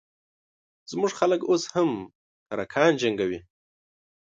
زموږ خلک اوس هم کرکان جنګوي